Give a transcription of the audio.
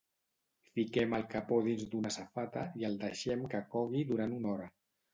Fiquem el capó dins d'una safata i el deixem que cogui durant una hora.